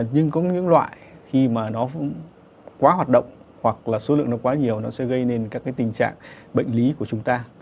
nhưng có những loại khi mà nó cũng quá hoạt động hoặc là số lượng nó quá nhiều nó sẽ gây nên các cái tình trạng bệnh lý của chúng ta